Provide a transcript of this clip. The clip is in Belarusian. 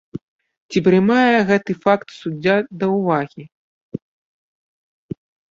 Ці прымае гэты факт суддзя да ўвагі?